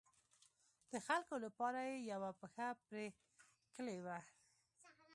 د خلکو لپاره یې یوه پښه پر کلي وه.